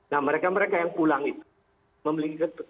nah mereka mereka yang pulang itu memiliki